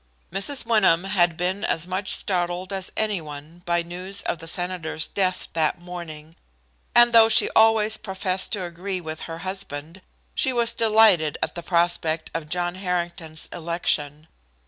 Mrs. Wyndham had been as much startled as any one by news of the senator's death that morning, and though she always professed to agree with her husband she was delighted at the prospect of John Harrington's election.